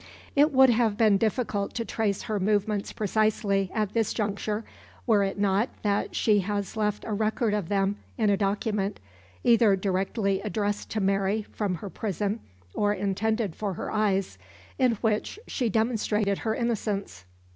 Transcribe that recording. It would have been difficult to trace her movements precisely at this juncture were it not that she has left a record of them in a document either directly addressed to Mary from her prison or intended for her eyes in which she demonstrated her innocence.